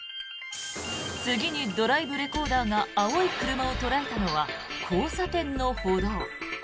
次にドライブレコーダーが青い車を捉えたのは交差点の歩道。